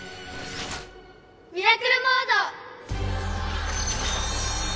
ミラクルモード！